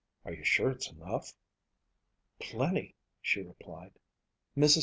"Are you sure it's enough?" "Plenty," she replied. Mrs.